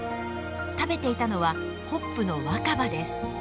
食べていたのはホップの若葉です。